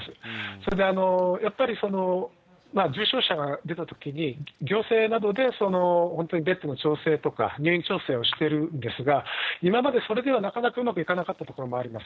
それで、やっぱり重症者が出たときに、行政などで本当にベッドの調整とか入院調整をしているんですが、今までそれではなかなかうまくいかなかった所もあります。